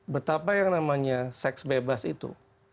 betapa yang namanya seks bebas itu